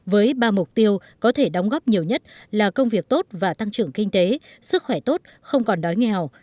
với ba mục tiêu có thể đóng góp nhiều nhất là công việc tốt và tăng trưởng kinh tế sức khỏe tốt không còn đói nghèo